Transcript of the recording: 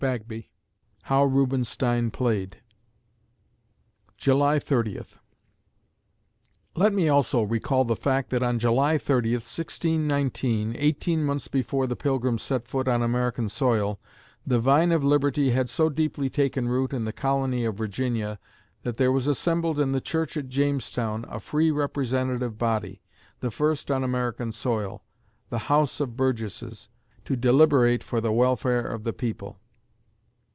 BAGBY (How Rubenstein Played) July Thirtieth Let me also recall the fact that on July 30, 1619, eighteen months before the Pilgrims set foot on American soil, the vine of liberty had so deeply taken root in the colony of Virginia that there was assembled in the church at Jamestown a free representative body (the first on American soil) the House of Burgesses to deliberate for the welfare of the people.